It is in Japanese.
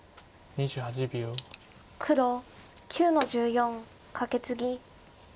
黒９の十四カケツギ。